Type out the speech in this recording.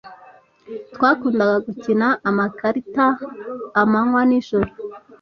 Twakundaga gukina amakarita amanywa n'ijoro.